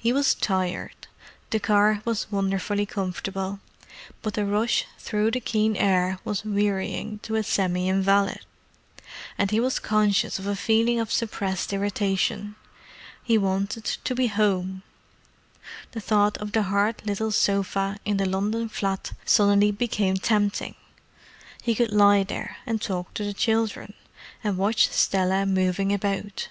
He was tired; the car was wonderfully comfortable, but the rush through the keen air was wearying to a semi invalid, and he was conscious of a feeling of suppressed irritation. He wanted to be home. The thought of the hard little sofa in the London flat suddenly became tempting—he could lie there and talk to the children, and watch Stella moving about.